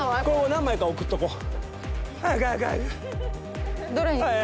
何枚か送っておこう。